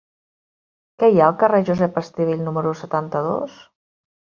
Què hi ha al carrer de Josep Estivill número setanta-dos?